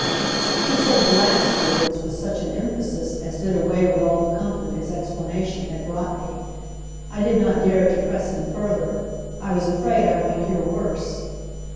He said the last words with such an emphasis as did away with all the comfort his explanation had brought me. I did not dare to press him further; I was afraid I might hear worse.